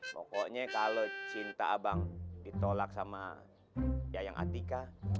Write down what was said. pokoknya kalau cinta abang ditolak sama ya yang atika